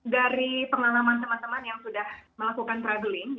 dari pengalaman teman teman yang sudah melakukan traveling